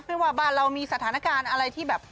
ไม่ว่าบ้านเรามีสถานการณ์อะไรที่แบบ